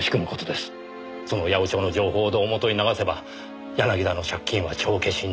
その八百長の情報を胴元に流せば柳田の借金は帳消しになる。